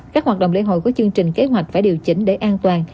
các hoạt động lễ hội của chương trình kế hoạch phải điều chỉnh để an toàn